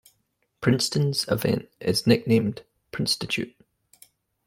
Princeton's event is nicknamed Princetitute.